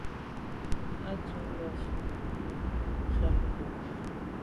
O, ndù nda’ fotmbwe nke mbèn mbwe ké.